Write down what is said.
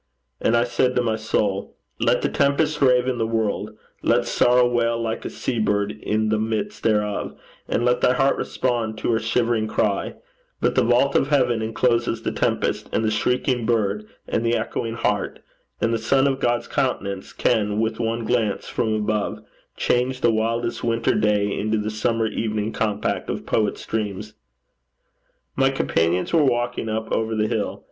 And I said to my soul, 'Let the tempest rave in the world; let sorrow wail like a sea bird in the midst thereof; and let thy heart respond to her shivering cry; but the vault of heaven encloses the tempest and the shrieking bird and the echoing heart; and the sun of God's countenance can with one glance from above change the wildest winter day into a summer evening compact of poets' dreams.' My companions were walking up over the hill.